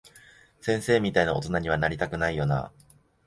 先生みたいな大人には、なりたくないよなぁ。